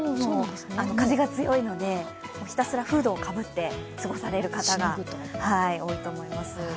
風が強いので、ひたすらフードをかぶって過ごされる方が多いと思います。